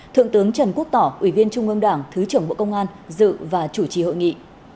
thượng tướng trần quốc tỏ ủy viên trung ương đảng thứ trưởng bộ công an dự và chủ trì hội nghị